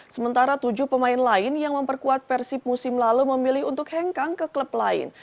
sementara tujuh pemain lain yang memperkuat persib musim lalu memilih untuk hengkang ke klub lain